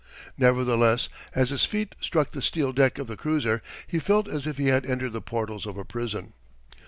Nevertheless, as his feet struck the steel deck of the cruiser, he felt as if he had entered the portals of a prison.